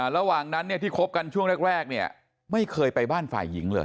ระหว่างนั้นที่คบกันช่วงแรกเนี่ยไม่เคยไปบ้านฝ่ายหญิงเลย